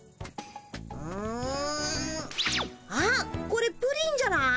あっこれプリンじゃない？